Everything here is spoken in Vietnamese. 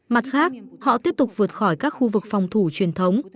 mặt khác họ tiếp tục vượt khỏi các khu vực phòng thủ truyền thống